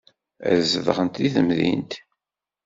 Ad zedɣent deg temdint.